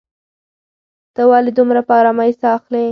ته ولې دومره په ارامۍ ساه اخلې؟